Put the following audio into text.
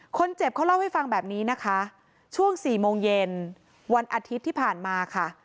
คนเจ็บเขาเล่าให้ฟังแบบนี้นะคะช่วงสี่โมงเย็นวันอาทิตย์ที่ผ่านมาค่ะ